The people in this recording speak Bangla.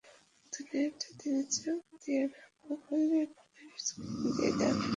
দুনিয়াটা তিনি চোখ দিয়ে নয়, মোবাইল ফোনের স্ক্রিন দিয়ে দেখায় বিশ্বাসী।